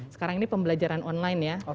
sekarang ini pembelajaran online ya